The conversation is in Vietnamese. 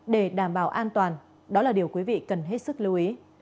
để đảm bảo an toàn đó là điều quý vị cần hết sức lưu ý